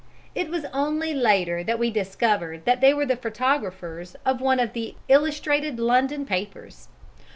It was only later that we discovered that they were the photographers of one of the illustrated London papers.